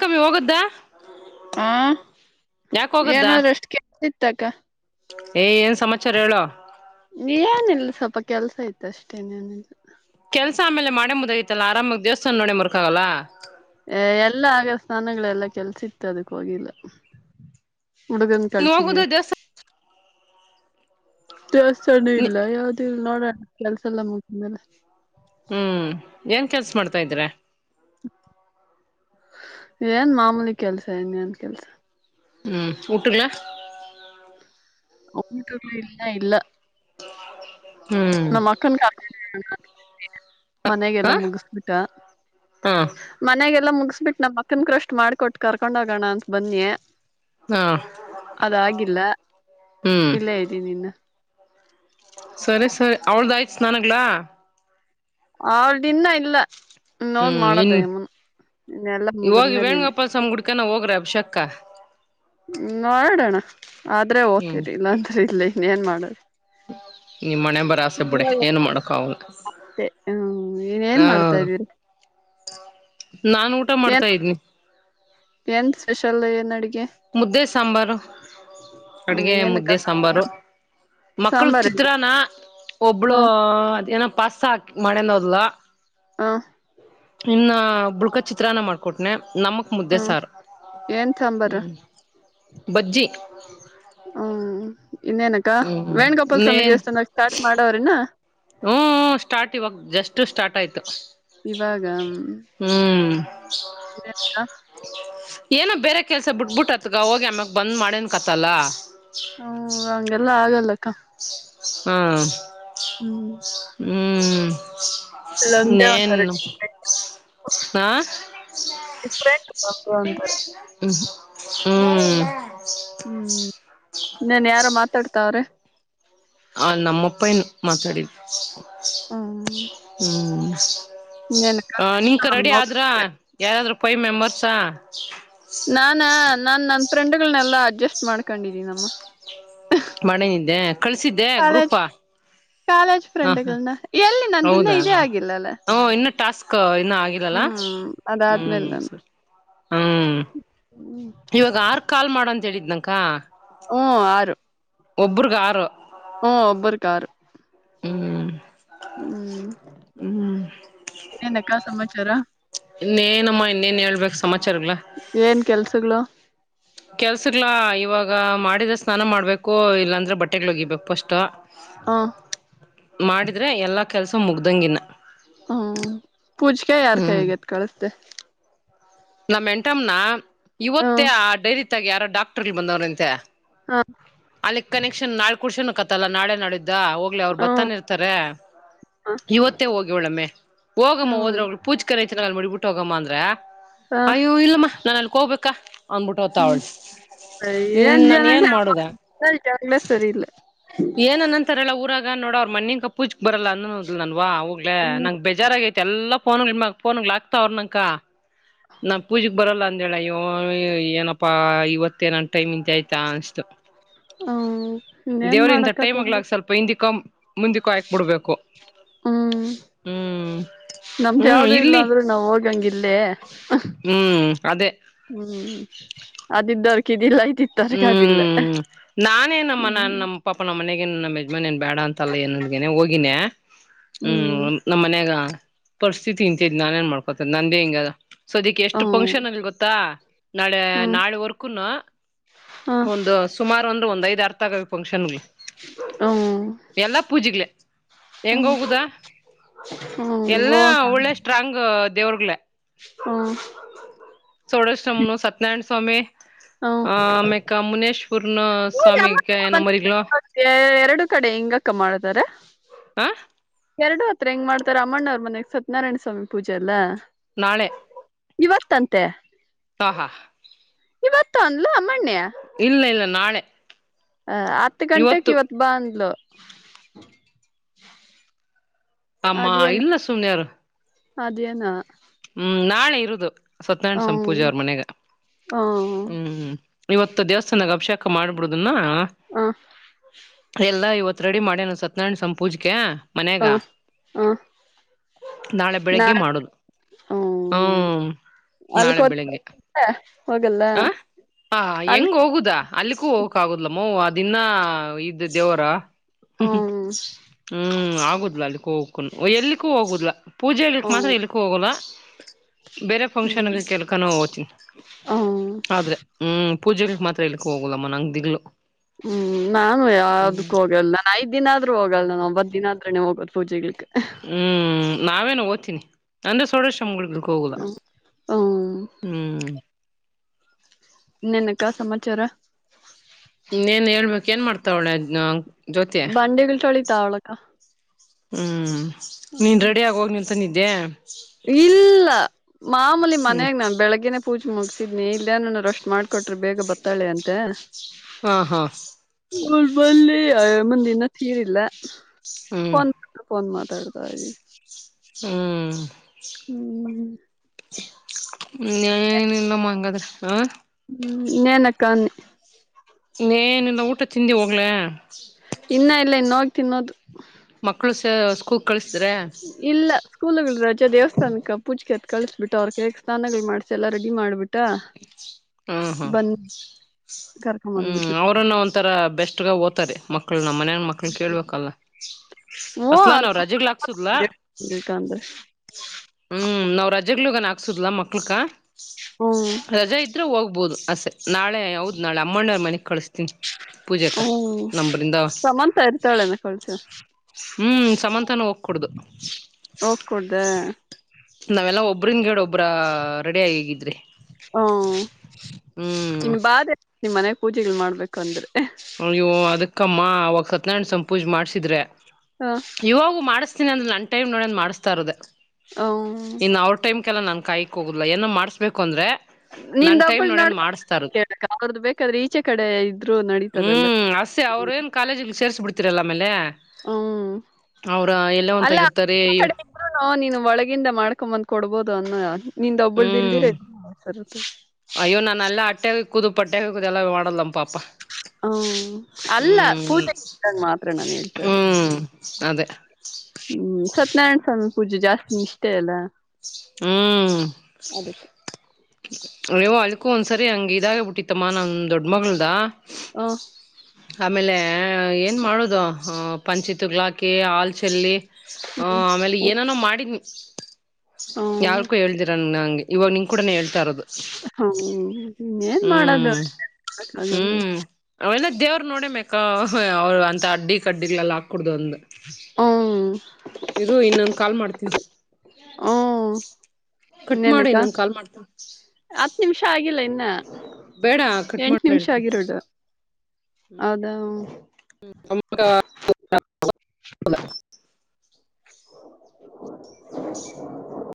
ಕಮ್ಮಿ ಹೋಗದ್ದ ಹಾ ಯಾಕ ಹೋಗದ್ದ ಏನೋ ರೆಷ್ಟ್ ಕೆಳಿ ತಕ ಏ ಏನ್ ಸಮಾಚಾರ ಹೇಳು. ಏನಿಲ್ಲ ಸ್ವಲ್ಪ ಕೆಲ್ಸ ಇತ್ತ್ ಅಷ್ಟೇ ಇನೇನಿಲ್ಲ. ಕೆಲ್ಸ ಆಮೇಲೆ ಮಾಡೇ ಮುದೈಐತಲ್ಲಾ ಆರಾಮಾಗಿ ದೇವಸ್ಥಾನ ನೋಡಿ ಮರ್ಕ ಆಗಲ್ಲ. ಎಲ್ಲ ಆಗ ಸ್ನಾನಗಳೆಲ್ಲ ಕೆಲ್ಸಿತ್ತು ಅದಕ್ಕ ಹೋಗಿಲ್ಲ. ಹುಡುಗನ್ ನೀ ಹೋಗುದ ಕಳ್ಸಿದೀವಿ. ದೇವಸ್ಥಾನ ದೇವಸ್ಥಾನ ಇಲ್ಲ ಯಾವುದು ಇಲ್ಲ ನೋಡೋಣ ಕೆಲಸ ಎಲ್ಲ ಮುಗಿದ್ಮೇಲೆ. ಹ್ಮ್ ಏನ್ ಕೆಲ್ಸ ಮಾಡ್ತಾ ಇದ್ರ. ಏನ್ ಮಾಮೂಲಿ ಕೆಲ್ಸ ಇನ್ನೇನ್ ಕೆಲ್ಸ. ಹ್ಮ್ ಊಟದ್ಲಾ [unintelligible] ಇಲ್ಲ ಹ್ಮ್ ನಮ್ಮಕ್ಕನ್ಗೆ ಹ ಮನೆಗೆಲ್ಲ ಮುಗಿಸಬಿಟ್ಟ ಹಾ ಮನೆಗೆಲ್ಲ ಎಲ್ಲ ಮುಗಿಸ್ಬಿಟ್ಟು ನಮ್ ಮಕ್ಕಂಗ್ ಕ್ರಷ್ಟ್ ಮಾಡ್ಕಟ್ಟು ಕರ್ಕೊಂಡ್ ಹೋಗೋಣ ಅಂತ ಬನ್ನಿ. ಹಾ ಅದಾಗಿಲ್ಲ ಹ್ಮ್ ಇಲ್ಲೆ ಇದ್ದೀನಿ ಇನ್ನ. ಅವಳ್ದ ಆಯ್ತು ಸ್ನಾನಗಳು. ಅವಳ್ದ ಇನ್ನ ಇಲ್ಲ. ಇನ್ ಹೋಗ್ ಹ್ಮ್ ಮಾಡೋದ ಇನ್ ಯಮುನ್ ಇನ್ನೆಲ್ಲಾ ಇ ಹೋಗಿ ಮುಗಿದ್ಮೇಲೆ ಇಲ್ಲಿ ವೇಣುಗೋಪಾಲ ಸ್ವಾಮಿ ಗುಡಿಕನ್ನ ಹೋಗ್ರೇ. ಉಷಕ್ಕ ಹ್ಮ್ ಮಾಡೋಣ ಆದ್ರೆ ಹ್ಮ್ ಓ್ತತಿರಿ ಇಲ್ಲಾಂದ್ರೆ ಇಲ್ಲಿ ಇನ್ನ ಏನ್ ಮಾಡದು. ನಿಮ್ಮಣೆ ಬರ ಆಸೆ ಬಿಡಿ ಏನು ಮಾಡಕ ಆಗಲ್ಲ ಹ್ಮ್ ಏನ್ ಹಾ ಮಾಡ್ತಾ ಇದ್ದೀರಿ ನಾನ್ ಊಟ ಏನ್ ಮಾಡ್ತಾ ಇದ್ನಿ ಏನ್ ಸ್ಪೆಷಲ್ ಏನಡಿಗಿ ಮುದ್ದೆ ಸಾಂಬಾರು ಹ್ಮ್ ಅಡ್ಗೆ ಏನಕ್ಕ ಮುದ್ದೆ ಸಾಂಬಾರು ಮಕ್ಕಳ್ಗ ಸಾಂಬಾರೇನ ಚಿತ್ರಾನ್ನ ಒಬ್ಳು ಹ್ಮ್ ಅದೇನೋ ಪಾಸ್ತಾ ಹಾಕ್ ಮಾಡೇನೋದ್ಲು ಹಾ ಇನ್ನ ಬುಳ್ಕ ಚಿತ್ರಾನ್ನ ಮಾಡ್ಕೊಟ್ನೆ ನಮ್ಕ ಮುದ್ದೆ ಹ್ಮ್ ಸಾರು ಏನ್ ಹ್ಞ ಸಾಂಬಾರು ಬಜ್ಜಿ ಹ್ಮ್ ಇನ್ನೇನಕ್ಕ ಹ್ಮ್ ವೇಣುಗೋಪಾಲ ಸ್ವಾಮಿ ದೇವಸ್ಥಾನಾ ಸ್ಟಾರ್ಟ್ ಮಾಡವ್ರೇನ್ನ ಹ್ಮ್ ಹ್ಮ್ ಸ್ಟಾರ್ಟ್ ಇವಾಗ್ ಜಸ್ಟ್ ಸ್ಟಾರ್ಟ್ ಆಯ್ತು ಇವಾಗ ಹ್ಮ್ ಇನ್ನೇನಕ್ಕ ಏನೋ ಬೇರೆ ಕೆಲ್ಸ ಬಿಟ್ಬಿಟ್ಟತ್ಗ ಹೋಗಿ ಆಮ್ಯಾಗ ಬಂದ್ ಮಾಡೇನ್ ಕತ್ತಲ್ಲ ಹ್ಮ್ ಹಂಗೆಲ್ಲ ಆಗಲ್ಲಕ್ಕ ಹ್ಮ್ ಹ್ಮ್ ಹ್ಮ್ ಅಲ್ಲೊಂದೇ ನೇನ್ ಒಂಥರ ಹಾ ಡಿಫ್ರೆಂಟ್ ಒಂದು ಅಂತಾರೆ [unintelligible] ಹ್ಮ್ ಹ್ಮ್ ಇನ್ನೇನ್ ಯಾರೋ ಮಾತಾಡ್ತಾವ್ರೆ ಆ ನಮ್ಮಪ್ಪಯ್ಯ್ನು ಮಾತಾಡಿದ್ದು ಹ್ಮ್ ಹ್ಮ್ ಹಾ ನಿಮ್ಕ ರೆಡಿ ಇನ್ನೇನಕ್ಕ ಆದ್ರೂ ಯಾರಾದ್ರೂ ಫೈ ಮೆಂಬರ್ಸ್ಸಾ ನಾನ ನಾ ನನ್ ಫ್ರೆಂಡ್ಗಳನೆಲ್ಲಾ ಅಡ್ಜಸ್ಟ್ ಮಾಡ್ಕೊಂಡಿದೀನಮ್ಮ ಮನೆೆ ನಿದ್ದ್ಯಾ ಕಳ್ಸಿದ್ದೆ ಕಾಲೇಜ್ ಗ್ರೂಪಾ ಕಾಲೇಜ್ ಫ್ರೆಂಡ್ಗಳನ ಎಲ್ಲಿ ನಂದಿನ್ನದ ಹೌದಾ ಇದೇ ಆಗಿಲ್ಲಲ್ಲ ಹ ಇನ್ನು ಟಾಸ್ಕ್ ಇನ್ನ ಆಗಿದಲ್ಲ ಹ್ಮ್ ಹ್ಮ ಅದಾದ್ಮೇಲೆ ಸ ನಾನು ಹ್ಮ್ ಇವಾಗ ಆರ್ ಕಾಲ್ ಮಾಡಂತ ಹೇಳಿದ್ನಕ್ಕ ಹ್ಮ್ ಆರು ಒಬ್ಬ್ರಿಗ ಆರು ಹ್ಮ ಒಬ್ಬರೀಗ್ ಆರು ಹ್ಮ್ ಹ್ಮ್ ಇನ್ನೇನಕ್ಕಾ ಸಮಾಚಾರ ಇನ್ನೇನಮ್ಮ ಇನ್ನೇನ್ ಹೇಳ್ಬೇಕ್ ಏನ್ ಕೆಲ್ಸಗ್ಳು ಕೆಲ್ಸಗ್ಳಾ ಇವಾಗ ಮಾಡಿದ್ರೇ ಸ್ನಾನ ಮಾಡ್ಬೇಕು ಇಲ್ಲಾಂದ್ರೆ ಬಟ್ಟೆಗಳು ಒಗಿಬೇಕು ಫಷ್ಟು ಹ ಮಾಡಿದ್ರೆ ಎಲ್ಲಾ ಕೆಲ್ಸ ಮುಗ್ದಂಗಿನ್ನ ಹ್ಮ ಪೂಜ್ಕೆ ಯಾರ್ ಕೈಯಾಗ ಎತ್ ಕಳಸ್ದೆ ನಮ್ಮ್ ಎಂಟಮ್ನ ಹ ಇವತ್ತೇ ಆ ಡೈರಿ ತಾಗ ಯಾರ ಡಾಕ್ಟರ್ಲ್ ಬಂದವ್ರಂತೆ ಹ ಅಲ್ಲಿ ಕನೆಕ್ಷನ್ ನಾಳ ಕುಡ್ಸೋನಕ್ಕತ್ತಲ್ಲಾ ನಾಳೆ ನಾಡಿದ್ದ ಹೋಗ್ಲಿ ಅವರು ಬತ್ತಾನೇ ಹ್ಮ ಇರ್ತಾರೆ ಇವತ್ತೇ ಹೋಗವ್ಳಮ್ಮೆ ಹೋಗಮ್ಮ ಹ್ಮ್ ಹೋದ್ರ ಅವ್ಳು ಪೂಜ್ಕ ಮುಡಿಬಿಟ್ಟು ಹೋಗಮ್ಮ ಅಂದ್ರೆ ಹ ಅಯ್ಯೋ ಇಲ್ಲಮ್ಮ ನಾನು ಅಲ್ಲಿಕೋಗ್ಬೇಕಾ ಅನ್ಬಿಟ್ಟ ಹೊತ ಅವಳ ಇನ್ ನನ್ ಏನ್ ಮಾಡುದ [unintelligible] ಸರಿ ಇಲ್ಲ ಏನ ಅನ್ನಂತಾರ್ ಹೇಳ ಊರಾಗ ನೋಡ ಅವ ಮಣಿನ್ಕ ಪೂಜಕ್ ಬರಲ್ಲ ಅನ್ನೋ ನನ್ವಾ ಹೋಗ್ಲೇ ಹ್ಮ್ ನಂಗ ಬೇಜಾರಾಗೈತಿ ಎಲ್ಲಾಫೋನ್ಗಳ ಮ ನ್ಗ್ ಆಗ್ತಾವ್ರ ನಂಕ ನಾ ಪೂಜೀಕ್ ಬರಲ್ಲ ಅಂದೇಳ ಅಯ್ಯೋ ಏನಪ್ಪಾ ಇವತ್ತೆ ನನ್ ಟೈಮ್ ಇಂತ ಆಯ್ ಹೂಂ ದೇವ್ರಿಂತ ಟೈಮಗ್ಲಾಗ್ ಸ್ವಲ್ಪ ಹಿಂದಿಕಂ ಮುಂದಕ್ಕೂ ಹಾಕ್ ಬಿಡ್ಬೇಕು ಹ್ಮ್ ಹ್ಮ್ ನಮ್ದ್ ಹ್ಮ್ ಯಾವ್ದು ಇಲ್ಲ ಇಲ್ಲಿ ಅಂದ್ರು ನಾವ್ ಹೋಗಂಗಿಲ್ಲೇ [unintelligible] ಹ್ಮ್ ಅದೇ ಹ್ಮ್ ಅದಿದ್ದು ಅದಕಿದ್ದಿಲ್ಲ ಹ್ಮ್ ನಾನೇ ನಮ್ಮ ನನ್ನ ಹ್ಮ್ ನಮ್ಮ ಪಾಪ ನಮ್ಮನೆ ಹ ನಮ್ಮ ಯಜಾನ್ಏನ್ ಬೇಡ ಅಂತಲ್ಲ ನಂದ್ನೆ ಹೋಗಿನನೆ ಹ್ಮ್ ನಮ್ಮ್ ಮನ್ಯಾಗ ಪರಿಸ್ಥಿತಿ ಇಂತ ನಾನೇಏನ್ ಮಾಡ್ಕೊತದ ನಂದೇ ಹಿಂಗದ ಸೊ ಅದಕ್ಕೆ ಎಷ್ಟು ಫಂಕ್ಷನ್ ಹ್ಮ್ ಅಲ್ಲಿ ಗೊತ್ತಾ ನಾಳೆ ಹ್ಮ್ ನಾಳೆ ವರ್ಕೂನು ಹ್ಮ್ ಒಂದು ಸುಮಾರು ಅಂದ್ರೆ ಒಂದ್ ಐದ್ರ್ತಗಾವ ಫಂಕ್ಷನ್ಗಳು ಹ್ಮ ಎಲ್ಲಾ ಪೂಜೆಗ್ಲೆ ಹೆಂಗ ಹೋಗುದ ಹ್ಮ್ ಎಲ್ಲ ಹೋಗ ಒಳ್ಳೆ ಸ್ಟ್ರಾಂಗ್ ದೇವ್ರಗ್ಗಳ ಹ್ಮ ಸೋಡೇಶ್ವಮ್ನು ಸತ್ಯನಾರಾಯಣ ಸ್ವಾಮಿ ಹ್ಮ್ ಆಮೇಕ ಮುನೇಶ್ಪೂರ್ನು ಇವ್ರ್ ಸ್ವಾಮ ಅಮ್ಮನ್ ಎನ ಮಾಡ್ರಿಕ ಮನೆಗ್ ಎರಡು ಕಡೆ ಇಂಗಕ್ಕ ಮಾಡತಾರ ಆ ಎರಡು ಹತ್ರ ಹೆಂಗ ಮಾಡ್ತಾರೆ ಅಮ್ಮಣ್ಣ್ ಮನೆಗೆ ಸತ್ಯನಾರಾಯಣ ಸ್ವಾಮಿ ಪೂಜೆ ಎಲ್ಲ ನಾಳೆ ಇವತ್ತಂತೆ ಸ ಹ ಇವತ್ತ ಅನ್ಲ ಇಲ್ಲ ಇಲ್ಲ ನಾಳೆ ಹ ಹತ್ತು ಗಂಟಕ್ ಇವತ್ತು ಇವತ್ ಬಂದ್ಲು ಆಮ್ಮಾ ಅದೇನ ಇಲ್ಲ ಸುಮ್ಮಯಾರ ಅದೇನ ಹ್ಮ್ ನಾಳೆ ಇರುದು ಸತ್ಯನಾರಾಯಣ್ ಹ್ಮ್ ಸಂಪೂಜೆ ಅವ್ರ ಮನೆಗ ಹ್ಮ್ ಹ್ಮ್ ಇವತ್ತು ದೇವಸ್ಥಾನಕ್ಕೆ ಅಭಿಷೇಕ್ ಮಾಡ್ ಹ ಎಲ್ಲ ಇ ರೆಡಿ ಮಾಡ ಸತ್ಯನಾರಾಯಣ ಸಂಪೂಜಕ ಮನ್ಯಾಗ ಹ ಹ ನಾಳೆ ನಾ ಬೆಳಿಗ್ಗೆ ಮಾಡುದು ಹ್ಮ್ ಹ್ಮ ನಾಳೆ ಅಲ್ಕೋತ ಬೆಳಿಗ್ಗೆ ಹೋಗಲ್ಲ ಹ ಹ ಅಲ್ ಹೆಂಗ ಹೋಗುದಾ ಅಲ್ಲಿಕ್ಕೂ ಹೋಗಕ ಆಗುದಲ ಮೋವ್ ಅ ದಿನ ಇದ್ದ ದೇವರ ಹ್ಮ್ ಹ್ಮ್ ಆಗುದ್ಲ ಅಲ್ಲಿ ಹೋಗ್ಕೊಂಡು ಎಲ್ಲಿಕ್ಕೂ ಹೋಗೋುದಿಲ್ಲ ಪೂಜೆ ಹೇಳಲಿಕ್ಕೆ ಹ್ಮ್ ಮಾತ್ರ ಎಲ್ಲಿಕ್ಕೂ ಹೋಗೋಲ್ಲ ಬೇರೆ ಫಂಕ್ಷನ್ ಹ್ಮ್ ಕೆಲಕನ ಹೋಗ್ತನಿ ಹ್ಮ್ ಆದ್ರೆ ಹ್ಮ್ ಪೂಜೆಗಳಗ್ ಮಾತ್ರ ಎಲಿಕ್ಕೆ ಹೋಗಲಮ್ಮ ನಂಗಗೆ ದಿಲು ಹ್ಮ್ ನಾನು ಯಾವಕ್ಕು ಹೋಗಲ್ಲ ನಾನ ಐದ್ ದಿನ ಆದ್ರೂ ಹೋಗಲ್ಲ ನಾನು ಒಂಬತ್ ದಿನ ಆದ್ರನೆ ಹೋಗದ ಪೂಜಗಳಿಗೆ ಹ್ಮ್ ನಾವೇನು ಓ್ತನಿ ಅಂದ್ರೆ ಸೋಡೋ ಕ್ಕೆ ಹೋಗುದ ಹ್ಮ್ ಹ್ಮ್ ಇನ್ನೇನಕ್ಕ ಸಮಾಚಾರ ನ್ನೇನ್ ಹೇಳ್ಬೇಕಕ್ ಏನ್ ಮಾಡ್ತಾವ ಒಳೆ ಅದ ಬಂಡೆಗಳ ಚಳಿತ ಅವಳಕ ಹ್ಞೂ ನೀನು ರೆಡಿ ಆಗೋಗಿ ನಿಂತ ನಿದ್ದೆ ಇಲ್ಲ ಮಾಮೂಲಿ ಹ್ಮ್ ಮನಾಗ ನಾ ಬೆಳಗ್ನ ಪೂಜೆ ಮುಗಸಿದ್ನಿ ಇಲ್ಲ ಏನನರು ಅಷ್ಟ್ ಮಾಡ್ಕೊಟ್ರಿ ಬೇಗ ಬತ್ತಾಳೆ ಅಂತ ಹಾ ಹಾ ಹರ್ಬಲ್ಲಿ ಮುಂದಿನ ತೀರಿಲ್ಲ ಹ್ಮ್ ಫೋನ್ ಫೋನ್ ಮಾತಾಡ್ತ ಇ ಹ್ಮ್ ಹ್ಮ್ ನಿಲ್ಲಮ್ಮಂಗದ್ರ ಹ ಹ್ಮ್ ಇನ್ನೇನಕ್ಕ ಅನ್ನಿ ಇನ್ನೇನಿಲ್ಲ ಊಟ ತಿಂದ ಹೋಗ್ಲಾ ಇನ್ನ ಇಲ್ಲ ಇನ್ನುಗಿ ತಿನ್ನೋದು ಮಕ್ಕಳು ಸ ಸ್ೂ ಇಲ್ಲ ಸ್ಕೂಲ್ಗಳ ರಜ್ ಜ ದೇವಸ್ಥಾನಕ್ಕ ಪೂಜಕತ್ ಕಳ್ಸಬಿಟ್ಟ ಅವ್ರ ಕ ಸ್ನಾನಾಗಗಳು ಮಾಡ್ಸ ಎಲ್ಲಾ ರೆಡಿ ಮಾಡ್ಬಿಟ್ಟ ಹ್ಮ ಹ್ಮ ಬಂದ್ ಕರ್ಕೊಂಡ್ ಹ್ಮ್ ಬಂದ್ಬಿಟ್ವಿ ಅವರನ್ನ ಒಂಥರ ಬೆಸ್ಟ್ [unintelligible] ಮಕ್ಕಳ ನಮ್ಮ ಮನ ಮಕ್ಳ ಕೇಳ್ಬೇಕಲ್ಲ ಅಸಲಾ ಹ್ಮ ನಾವ್ ರಜೆಗಲ್ಹಕ್ಸಿದ್ಞಲ್ಲ ಬೇಕಂದ್ರೆ ಹ್ಮ್ ನ ರಜೆಗ ಹಾಕ್ಸುದಲ ಮಕ್ಳಕ ಹ್ಮ್ ರಜೆಾ ಇದ್ರೆ ಹೋಗ್ಬಹುದು ಅಷ್ಟೆ ನಾಳೆ ಅಮ್ಮಣ್ಣ ಮನೆಗ್ ಕಳಸ್ತೀನಿ ಪೂಜಕ ಹ್ಮ್ ನಂಬ್ರಿಂದ ಸಮಂತ ಇರ್ತಾಳೆನ ಕಳ್ಸ ಹ್ಮ್ ಸಮಂತಾನೂ ಹೋಗ್ ಕುೂಡ್ದು ಹೋಗ್ ಕೊಡ್ದೆ ನಾವೆಲ್ಲಾ ಒಬ್ರನ್ ಗೇಡ ಒಬ್ರ ರೆಡಿ ಆಗ ಹಗಿದ್ರಿ ಹ್ಮ ಇನ್ ಬಾಧೆ ನಿ ಮನೆಗ ಪೂಜೆಗಳು ಮಾಡ್ಬೇಕಂದ್ರೆ ಅದಕ್ಕಮ್ಮ ಅವಾಗ ಸತ್ನಾಯಣ ಸಂಪೂಜ ಮಾಡ್ಸಿದ್ರೆ ಹ ಇವಾಗು ಮಾಡಸ ನನ್ ಟೈಮ್ ನೋಡಿ ಮಾಡ್ತಿರೋಧೆ ಹ ಲ್ಲ ನಾನನ್ ಕಾಯಕ್ ಹೋಗುದಿಲ್ಲ ಏನೋ ಮಾಡ್ಬೇಕು ಅಂದ್ರೆ ನನ್ ನಿಂದ ಟೈಮ್ ಒಬ್ಬಳ ನೋಡನ್ ನೋಡ್ ಮಾಡಿಸ್ತಾ ಇರೋದು ಅವ್ರದ್ದು ಬೇಕಾದ್ರೆ ಈಚೆ ಕಡೆ ಇದ್ರು ನಡಿ ಹ್ಮ್ ಹಸೆ ಅವ್ರ ಏನ್ ಕಾಲೇಜಿಗೆ ಸೇರ್ರಿಸಿ ಬಿಡ್ತಿರಲ್ಲ ಆಮೇಲೆ ಹ್ಮ ಅವ್ರ ಎಲ್ಲೋ ಅಲ್ಲ ಒಂತಾಗಿರ್ತಾರೆ ಕಡೊ ನೀನು ಒಳಗಿಂದ ಮಾಡ್ಕೊಂಬಂದ್ ಕೊಡ್ಬೋದು ಅನ್ನಯ ನಿಂದ ಹ್ಮ್ ಒಬ್ಬಳ್ದಲ್ದಿರರು ಕುದು ಪಟ್ಟೆ ಹುದುದು ಎಲ್ಲ ಮಾಡಲ್ಲ ಪಾಪ ಹ್ಮ ಅಲ್ಲ ಹ್ಮ್ ಪೂಜೆ ಮಾತ್ರ ನಾನು ಹೇಳ್ತದೆ ಹ್ಮ್ ಅದೇ ಹ್ಮ್ ಸತ್ಯನಾರಾಯಣ ಸ್ವಾಮಿ ಪೂಜೆ ಜಾಸ್ತಿ ಇಷ್ಟೇ ಅಲ್ಲಾ ಹ್ಮ್ ಅಯೋ ಅಲ್ಕೂ ಒಂದ್ಸರಿ ಹಂಗ ಇದಾಗ ಬಿಟ್ಟಿತ್ತಮ್ಮ ನಾ ದೊಡ್ಡ್ಮಗಳದ ಹಾ ಆಮೇಲೆ ಏನ್ ಮಾಡುದು ಪಂಚಿ ತಗ್ಲಾಕಿ ಹಲ್ ಚೆಲ್ಲಿ ಹ ಆಮೇಲೆ ಏನಾನೋ ಮಾಡಿದ್ ಯಲ್ಕು ಹೇಳ್ದಿರ ನಂಗ ಹ್ಮ ಏನ್ ಮಾಡದು ಹ್ಮ್ [unintelligible] ಅವ ನೋಡ ಮೇಕ ಅವರು ಅಂತ ಅಡ್ಡಿ ಕಡ್ಡಿಗಳೆಲ್ಲ ಹಾಕಡ್ದ ಒಂದಂದು ಇರು ಇನ್ನೊಂದು ಕಾಲ್ ಮಾಡ್ತೀನಿ ಹ್ಮ್ ಕಟ್ ಮಾಡಿ ಇನ್ನೇನಕ್ಕ ನನ್ ಕಾಲ್ ಮಾಡ್ತಾ ಹತ್ತು ನಿಮಿಷ ಆಗಿಲ್ಲ ಇನ್ನ ಎಂಟು ಮಾಡಿ ನಿಮಿಷ ಹೇಳ್ತೀನಿ ಆಗಿರೋದು ಅದಾ [unintelligible]